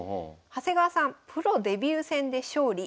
長谷川さんプロデビュー戦で勝利